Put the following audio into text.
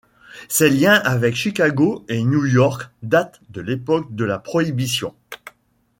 Ses liens avec Chicago et New York datent de l'époque de la Prohibition.